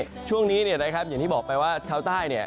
ช่วงนี้เนี่ยนะครับอย่างที่บอกไปว่าชาวใต้เนี่ย